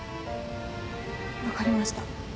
分かりました。